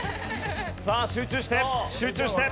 さあ集中して集中して！